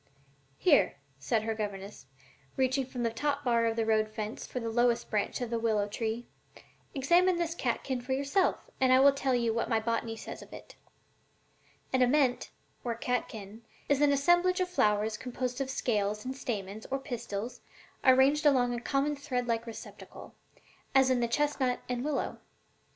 "Here," said her governess, reaching from the top bar of the road fence for the lowest branch of a willow tree; "examine this catkin for yourself, and I will tell you what my Botany says of it: 'An ament, or catkin, is an assemblage of flowers composed of scales and stamens or pistils arranged along a common thread like receptacle, as in the chestnut and willow.